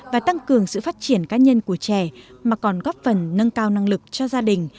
và tăng cường sự phát triển cá nhân của trẻ mà còn góp phần nâng cao năng lực cho gia đình